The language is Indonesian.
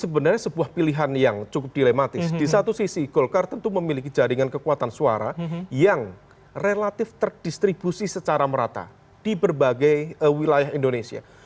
sebenarnya sebuah pilihan yang cukup dilematis di satu sisi golkar tentu memiliki jaringan kekuatan suara yang relatif terdistribusi secara merata di berbagai wilayah indonesia